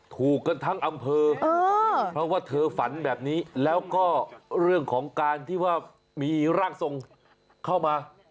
ถูกกันทั้งอำเภอเพราะว่าเธอฝันแบบนี้แล้วก็เรื่องของการที่ว่ามีร่างทรงเข้ามา